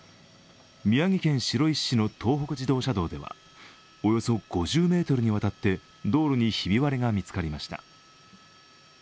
宮城県白石市の東北自動車道ではおよそ５０ｍにわたって道路にひび割れが見つかりました。